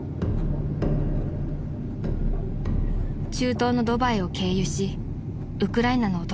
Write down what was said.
［中東のドバイを経由しウクライナのお隣